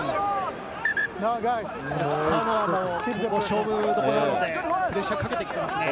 サモアも勝負どころなのでプレッシャーをかけてきますね。